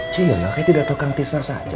cek ya kayak tidak tau kan tisna saja